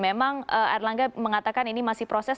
memang erlangga mengatakan ini masih proses